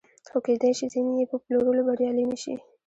خو کېدای شي ځینې یې په پلورلو بریالي نشي